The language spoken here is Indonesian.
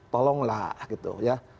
tolonglah gitu ya